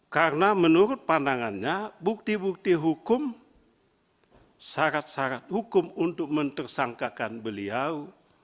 karena menurut pandangannya bukti bukti hukum syarat syarat hukum untuk mentersangkakan beliau